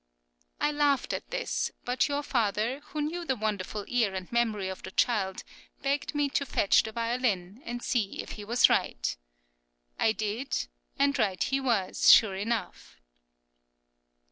I laughed at this, but your father, who knew the wonderful ear and memory of the child, begged me to fetch the violin, and see if he was right. I did, and right he was, sure enough!